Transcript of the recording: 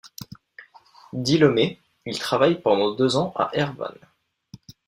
Dilômé, il travaille pendant deux ans à Erevan.